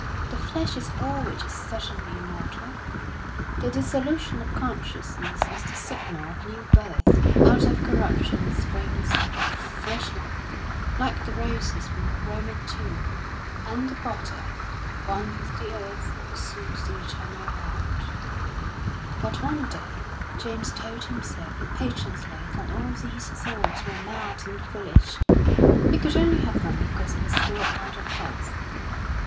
The flesh is all which is certainly immortal; the dissolution of consciousness is the signal of new birth. Out of corruption springs fresh life, like the roses from a Roman tomb; and the body, one with the earth, pursues the eternal round. But one day James told himself impatiently that all these thoughts were mad and foolish; he could only have them because he was still out of health.